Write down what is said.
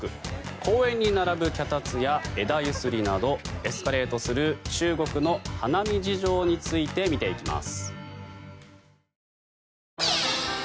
公園に並ぶ脚立や枝揺すりなどエスカレートする中国の花見事情について見ていきます。